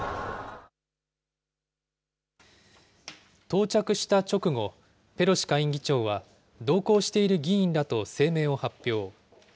到着した直後、ペロシ下院議長は、同行している議員らと声明を発表。